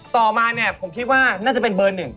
ต่อมาเนี่ยผมคิดว่าน่าจะเป็นเบอร์หนึ่ง